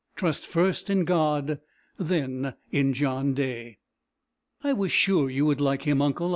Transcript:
Trust first in God, then in John Day." "I was sure you would like him, uncle!"